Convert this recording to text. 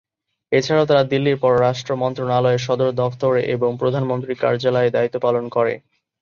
এছাড়াও, তারা দিল্লির পররাষ্ট্র মন্ত্রণালয়ের সদর দফতরে এবং প্রধানমন্ত্রীর কার্যালয়ে দায়িত্ব পালন করে।